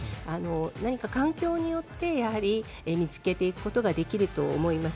何か環境によって、やはり見つけていくことができると思います。